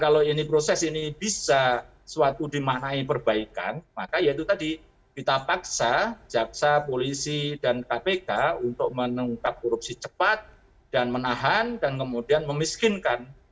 kalau ini proses ini bisa suatu dimaknai perbaikan maka ya itu tadi kita paksa jaksa polisi dan kpk untuk mengungkap korupsi cepat dan menahan dan kemudian memiskinkan